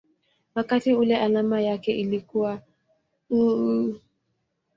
wakati ule alama yake ilikuwa µµ.